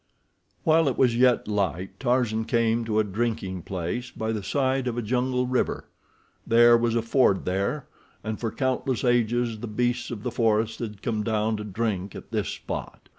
While it was yet light Tarzan came to a drinking place by the side of a jungle river. There was a ford there, and for countless ages the beasts of the forest had come down to drink at this spot.